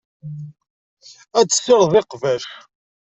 Ad tessirdeḍ iqbac.